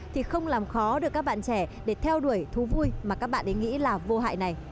thì không làm khó được các bạn trẻ để theo đuổi thú vui mà các bạn ấy nghĩ là vô hại này